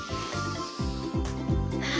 はあ。